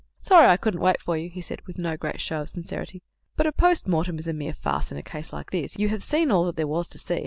"Sorry I couldn't wait for you," he said, with no great show of sincerity, "but a post mortem is a mere farce in a case like this; you have seen all that there was to see.